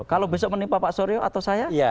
kalau besok menimpa pak suryo atau saya